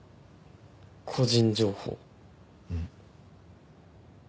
個人情報。